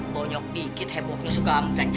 bonyok pikir hebohnya suka ampren